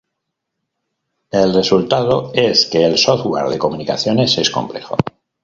El resultado es que el software de comunicaciones es complejo.